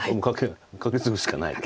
カケツグしかないです。